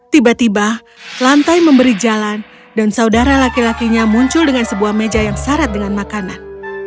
tiba tiba lantai memberi jalan dan saudara laki lakinya muncul dengan sebuah meja yang syarat dengan makanan